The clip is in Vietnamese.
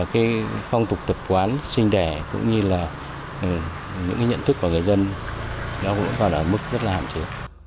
cái phong tục tập quán sinh đẻ cũng như là những cái nhận thức của người dân nó cũng còn ở mức rất là hạn chế